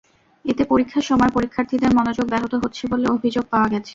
এতে পরীক্ষার সময় পরীক্ষার্থীদের মনোযোগ ব্যাহত হচ্ছে বলে অভিযোগ পাওয়া গেছে।